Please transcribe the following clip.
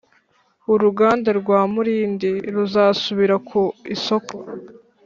uruganda rwa Mulindi ruzasubira ku isoko